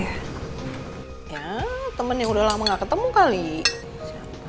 ya temen yang udah lama gak ketemu kali